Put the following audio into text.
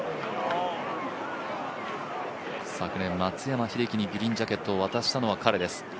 昨年、松山英樹にグリーンジャケットを渡したのは彼です。